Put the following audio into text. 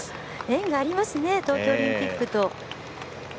縁がありますね東京オリンピックと。